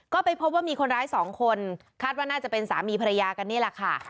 ก็ไปพบว่ามีคนร้ายสองคนคาดว่าน่าจะเป็นสามีภรรยากันนี่แหละค่ะ